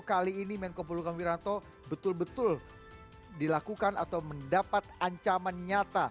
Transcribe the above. kali ini menko puluh kamiranto betul betul dilakukan atau mendapat ancaman